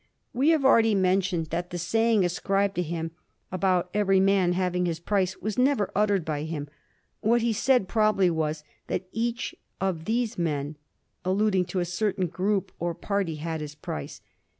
We have already mentioned that the saying ascribed to him about every man having his price was never uttered by him. What he said pro bably was, that ^ each of these men,' alluding to a certain group or party, had his price.